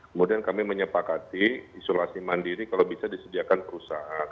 kemudian kami menyepakati isolasi mandiri kalau bisa disediakan perusahaan